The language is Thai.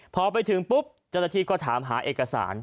พอไปถึงปุ๊บจรฐษีก็ถามหาเอกสาร